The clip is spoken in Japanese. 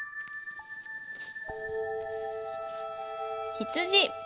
「羊」。